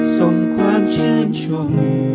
ส่งความชื่นชม